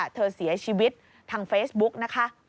เธอเสียชีวิตทางเฟซบุ๊กนะคะ